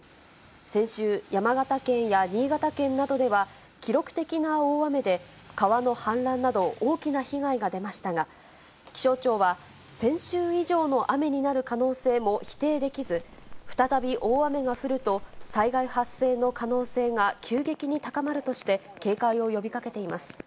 先週、山形県や新潟県などでは、記録的な大雨で、川の氾濫など大きな被害が出ましたが、気象庁は、先週以上の雨になる可能性も否定できず、再び大雨が降ると、災害発生の可能性が急激に高まるとして、警戒を呼びかけています。